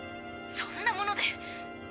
そんなもので⁉